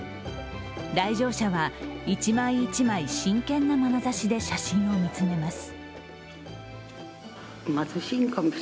来場者は、一枚一枚、真剣なまなざしで写真を見つめます。